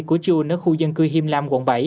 của chiu un ở khu dân cư him lam quận bảy